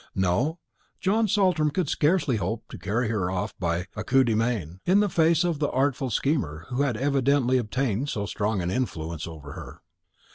No; John Saltram could scarcely hope to carry her off by a coup de main, in the face of the artful schemer who had evidently obtained so strong an influence over her.